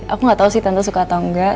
aku gak tau sih tante suka atau enggak